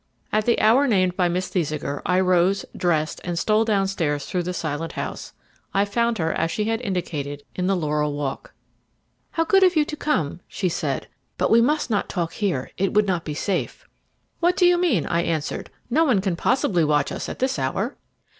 At the hour named by Miss Thesiger, I rose, dressed, and stole downstairs through the silent house. I found her as she had indicated in the Laurel Walk. "How good of you to come!" she said. "But we must not talk here; it would not be safe." "What do you mean?" I answered. "No one can possibly watch us at this hour."